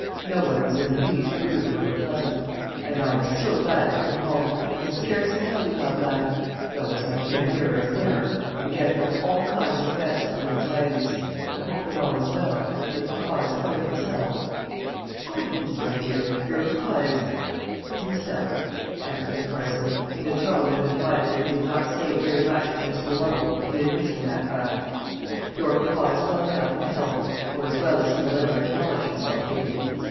"No one was in the least rude or unpleasant. And I am so glad to come home I can scarcely tell you how glad though, as I came nearer and nearer, I began to have all kinds of fanciful anxieties. I hope that all is well that papa is quite himself." "O, yes, my dear; your papa is himself," answered the parson, in a tone that implied that he did not say very much for Mr. Lovel in admitting that fact. "Your papa is well enough in health, or as well as he will ever acknowledge himself to be.